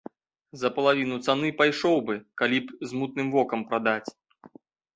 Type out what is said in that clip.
За палавіну цаны пайшоў бы, калі б з мутным вокам прадаць.